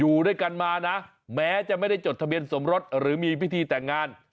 อยู่ด้วยกันมานะแม้จะไม่ได้จดทะเบียนสมรสหรือมีพิธีแต่งงาน